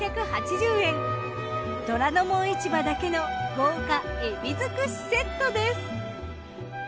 『虎ノ門市場』だけの豪華海老づくしセットです。